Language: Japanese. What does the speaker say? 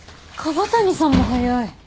椛谷さんも早い。